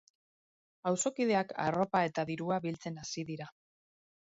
Auzokideak arropa eta dirua biltzen hasi dira.